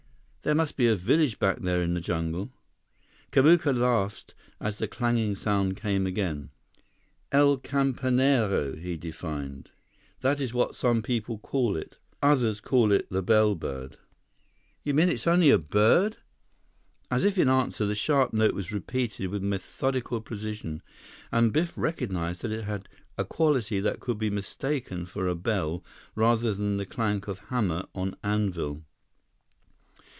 There must be a village back there in the jungle!" Kamuka laughed as the clanging sound came again. "El campanero," he defined. "That is what some people call it. Others call it the bellbird." "You mean it's only a bird?" As if in answer, the sharp note was repeated with methodical precision, and Biff recognized that it had a quality that could be mistaken for a bell rather than the clank of hammer on anvil.